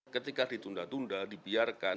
ketika ditunda tunda dibiarkan